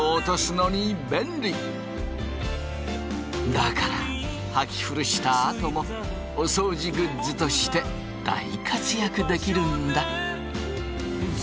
だからはき古したあともお掃除グッズとして大活躍できるんだ！